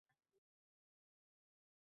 Onamning boriga Olloxga shkur